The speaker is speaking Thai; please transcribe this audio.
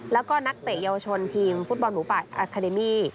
แล้วก็นักเตะเยาวชนทีมฟุตบอลหมูป่าอาคาเดมี่